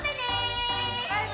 バイバーイ！